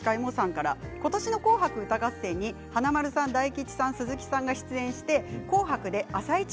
今年の「紅白歌合戦」に華丸さん、大吉さん、鈴木さんが出演して「紅白」で「あさイチ」